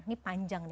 ini panjang nih